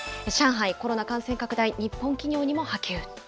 上海、コロナ感染拡大、日本企業にも波及。